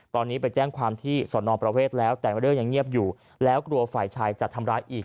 ตอนนี้ไปแจ้งความที่สอนอประเวทแล้วแต่ว่าเรื่องยังเงียบอยู่แล้วกลัวฝ่ายชายจะทำร้ายอีก